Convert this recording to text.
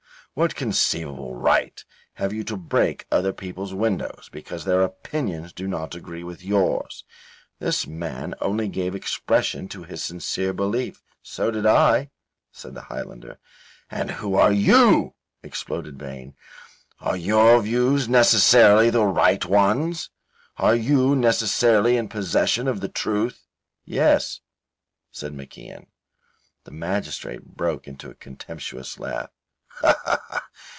"What conceivable right have you to break other people's windows because their opinions do not agree with yours? This man only gave expression to his sincere belief." "So did I," said the Highlander. "And who are you?" exploded Vane. "Are your views necessarily the right ones? Are you necessarily in possession of the truth?" "Yes," said MacIan. The magistrate broke into a contemptuous laugh.